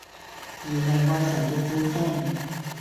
而係愛神嘅箭聲？